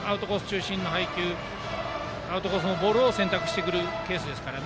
中心の配球アウトコースのボールを選択してくるケースですから。